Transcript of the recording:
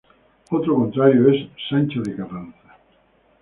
Otro contrario es Sancho de Carranza.